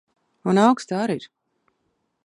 Un auksti ar ir.